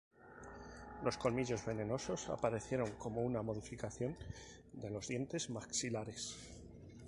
Los colmillos venenosos aparecieron como una modificación de los dientes maxilares.